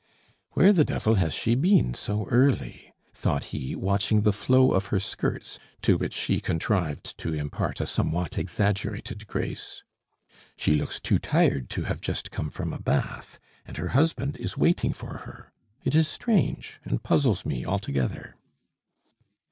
"Where the devil has she been so early?" thought he watching the flow of her skirts, to which she contrived to impart a somewhat exaggerated grace. "She looks too tired to have just come from a bath, and her husband is waiting for her. It is strange, and puzzles me altogether."